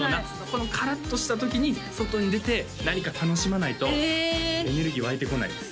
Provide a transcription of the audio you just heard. このカラッとした時に外に出て何か楽しまないとえエネルギー湧いてこないです